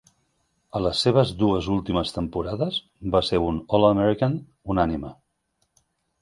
A les seves dues últimes temporades va ser un All-American unànime.